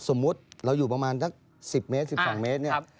สมมุติเราอยู่ประมาณสัก๑๐เมตร๑๒เมตรเนี่ย